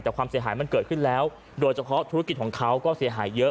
แต่ความเสียหายมันเกิดขึ้นแล้วโดยเฉพาะธุรกิจของเขาก็เสียหายเยอะ